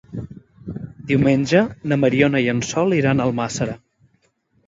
Diumenge na Mariona i en Sol iran a Almàssera.